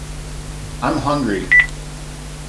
I am hungry.